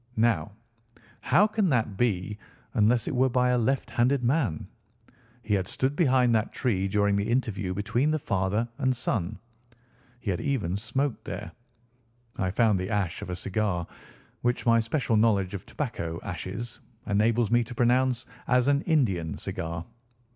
Now, how can that be unless it were by a left handed man? He had stood behind that tree during the interview between the father and son. He had even smoked there. I found the ash of a cigar, which my special knowledge of tobacco ashes enables me to pronounce as an Indian cigar.